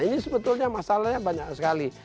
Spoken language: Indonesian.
ini sebetulnya masalahnya banyak sekali